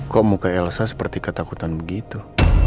kok muka elsa seperti ketakutan begitu